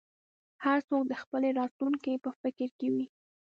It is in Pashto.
هر څوک د خپلې راتلونکې په فکر کې وي.